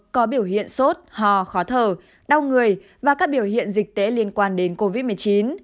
có biểu hiện sốt hò khó thở đau người và các biểu hiện dịch tễ liên quan đến covid một mươi chín